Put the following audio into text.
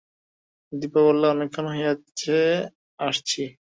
দিপা বলল, অনেকক্ষণ হইছে আসছি।